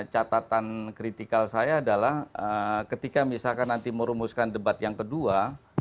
catatan kritikal saya adalah ketika misalkan nanti merumuskan debat yang kedua